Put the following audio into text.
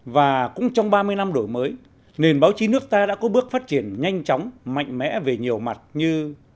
và cũng trong ba mươi năm đổi mới nền báo chí nước ta đã có bước phát triển nhanh chóng mạnh mẽ về nhiều mặt như